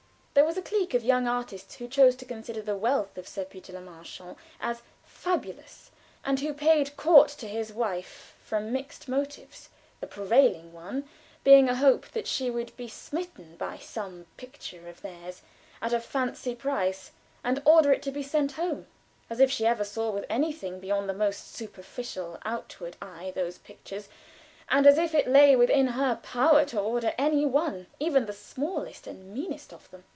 There was a clique of young artists who chose to consider the wealth of Sir Peter Le Marchant as fabulous, and who paid court to his wife from mixed motives; the prevailing one being a hope that she would be smitten by some picture of theirs at a fancy price, and order it to be sent home as if she ever saw with anything beyond the most superficial outward eye those pictures, and as if it lay in her power to order any one, even the smallest and meanest of them.